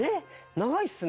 長いっすね。